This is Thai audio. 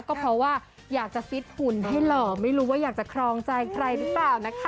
ก็เพราะว่าอยากจะฟิตหุ่นให้หล่อไม่รู้ว่าอยากจะครองใจใครหรือเปล่านะคะ